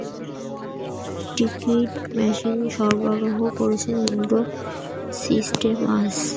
Ticket machine সরবরাহ করছে Indra সিস্টেমাস।